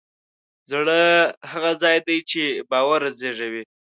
زړه هغه ځای دی چې باور زېږوي.